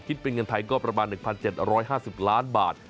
คิดเป็นเงินไทยก็ประมาณ๑๗๕๐ล้านบาท